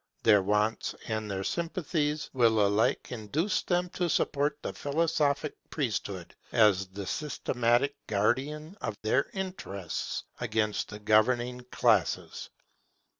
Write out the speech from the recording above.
Their wants and their sympathies will alike induce them to support the philosophic priesthood as the systematic guardian of their interests against the governing classes.